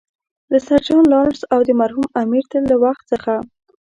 له سر جان لارنس او د مرحوم امیر له وخت څخه.